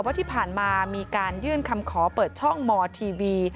ว่าที่ผ่านมามีการยื่นคำขอเปิดช่องมทีวี